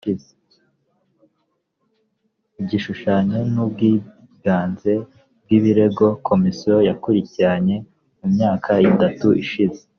igishushanyo no ubwiganze bw ibirego komisiyo yakurikiranye mu myaka itatu ishize